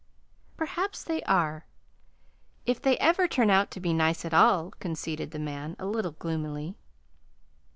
"Perhaps they are if they ever turn out to be nice at all," conceded the man, a little gloomily.